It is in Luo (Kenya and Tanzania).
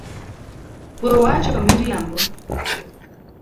We wacho miriambo